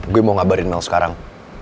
gue mau ngabarin yang sekarang